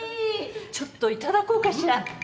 ちょっといただこうかしら。